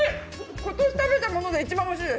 今年食べたもので一番おいしいです。